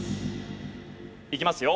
いきますよ。